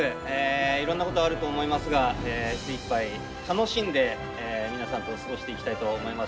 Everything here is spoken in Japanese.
いろんなことあると思いますが精いっぱい楽しんで皆さんと過ごしていきたいと思います。